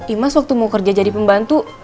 imas waktu mau kerja jadi pembantu